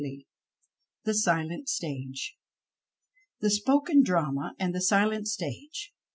215 THE SILENT STAGE The spoken drama and the silent stage.